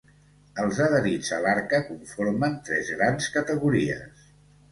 Els adherits a l'Arca conformen tres grans categories.